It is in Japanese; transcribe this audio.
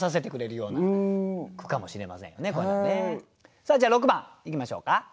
さあじゃあ６番いきましょうか。